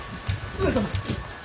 上様！